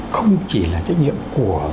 không chỉ là trách nhiệm của